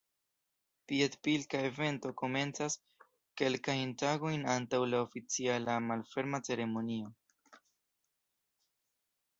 Piedpilka evento komencas kelkajn tagojn antaŭ la oficiala malferma ceremonio.